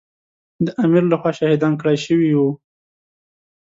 د امیر له خوا شهیدان کړای شوي وو.